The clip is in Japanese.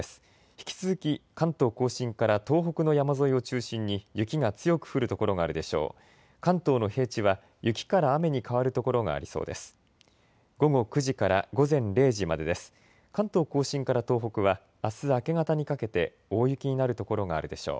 引き続き関東甲信から東北の山沿いを中心に雪が強く降る所があるでしょう。